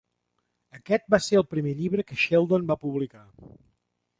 Aquest va ser el primer llibre que Sheldon va publicar.